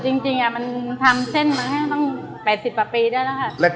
จริงมันทำเส้นมาให้ตั้ง๘๐กว่าปีได้แล้วค่ะ